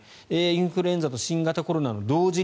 インフルエンザと新型コロナの同時